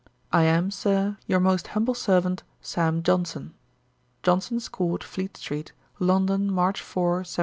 I am, Sir, 'Your most humble servant, 'SAM JOHNSON.' 'Johnson's court, Fleet street, London, March 4, 1773.'